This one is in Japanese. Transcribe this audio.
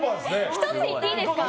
１つ、言っていいですか？